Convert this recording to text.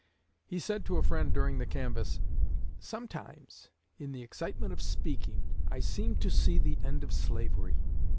He said to a friend during the canvass: "Sometimes, in the excitement of speaking, I seem to see the end of slavery.